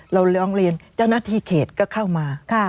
ร้องเรียนเจ้าหน้าที่เขตก็เข้ามา